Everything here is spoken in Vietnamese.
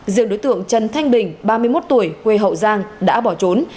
riêng đối tượng trần thanh bình ba mươi một tuổi quê hậu giang đã bỏ trốn